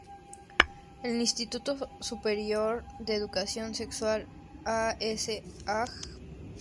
Instituto Superior de Educación Sexual, A. C. Ags.